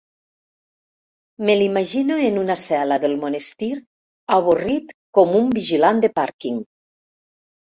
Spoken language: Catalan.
Me l'imagino en una cel·la del monestir avorrit com un vigilant de pàrquing.